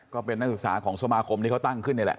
ก็เป็นนักศึกษาของสมาคมที่เขาตั้งขึ้นนี่แหละ